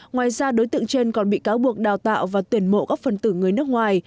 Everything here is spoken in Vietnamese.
ngoài ra đối tượng trên còn bị cáo buộc đào tạo và tuyển mộ các phần tử người nước ngoài